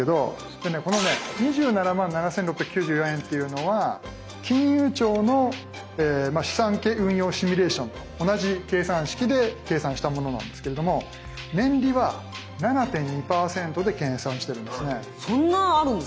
でねこのね２７万７，６９４円っていうのは金融庁の資産運用シミュレーションと同じ計算式で計算したものなんですけれども年利は７．２％で計算してるんですね。